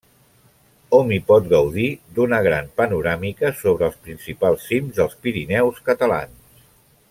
Hom hi pot gaudir d'una gran panoràmica sobre els principals cims dels Pirineus Catalans.